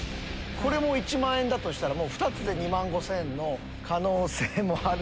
これも１万円だとしたら２つで２万５０００円の可能性もある。